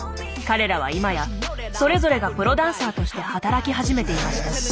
彼らは今やそれぞれがプロダンサーとして働き始めていました。